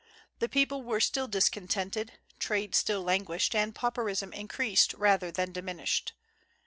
The people were still discontented, trade still languished, and pauperism increased rather than diminished.